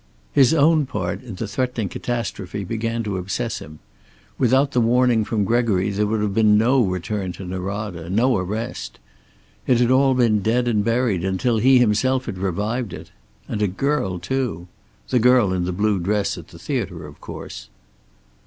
His own part in the threatening catastrophe began to obsess him. Without the warning from Gregory there would have been no return to Norada, no arrest. It had all been dead and buried, until he himself had revived it. And a girl, too! The girl in the blue dress at the theater, of course.